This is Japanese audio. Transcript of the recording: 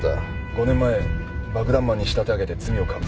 ５年前爆弾魔に仕立て上げて罪をかぶせた男です。